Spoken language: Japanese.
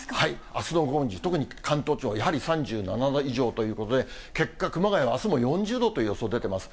あすの午後、特に関東地方、やはり３７度以上ということで、結果、熊谷はあすも４０度という予想出てます。